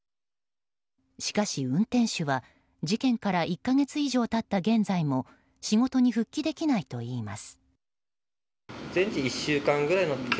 しかし運転手は事件から１か月以上経った現在も仕事に復帰できないといいます。